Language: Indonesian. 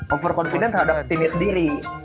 over confident terhadap timnya sendiri